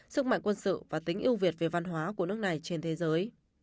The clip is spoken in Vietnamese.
sức mạnh quân sự và tính yêu việt về văn hóa của nước này trên thế giới